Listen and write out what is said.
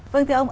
vâng thưa ông